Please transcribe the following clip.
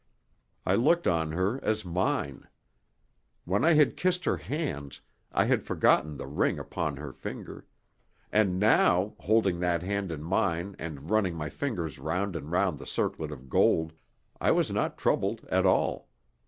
I looked on her as mine. When I had kissed her hands I had forgotten the ring upon her finger; and now, holding that hand in mine and running my fingers round and round the circlet of gold, I was not troubled at all.